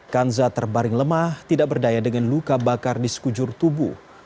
kanza terbaring lemah tidak berdaya dengan luka bakar di sekujur tubuh